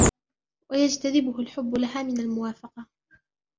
وَيَجْتَذِبُهُ الْحُبُّ لَهَا مِنْ الْمُوَافَقَةِ